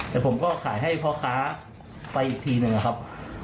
แต่ผมก็ขายให้พ่อค้าไปอีกทีหนึ่งนะครับ